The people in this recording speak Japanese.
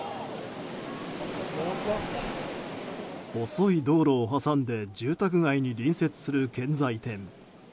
細い道路を挟んで住宅街に隣接する建材店。